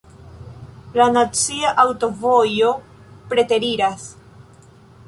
La nacia aŭtovojo preteriras.